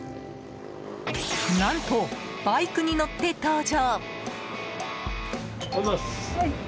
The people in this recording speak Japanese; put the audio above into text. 何と、バイクに乗って登場。